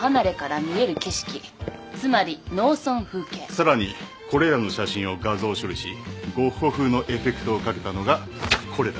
さらにこれらの写真を画像処理しゴッホ風のエフェクトをかけたのがこれだ。